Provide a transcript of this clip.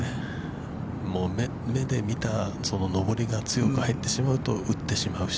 ◆目で見た上りが強く入ってしまうと、打ってしまうし。